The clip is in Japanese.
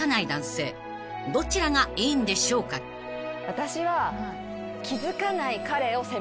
私は。